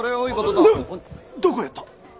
でどこをやった？